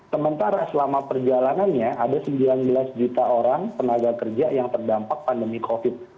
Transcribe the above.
sementara selama perjalanannya ada sembilan belas juta orang tenaga kerja yang terdampak pandemi covid